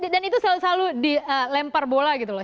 dan itu selalu selalu dilempar bola gitu loh